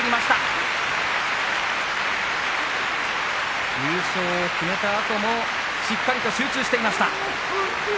拍手優勝を決めたあともしっかりと集中していました。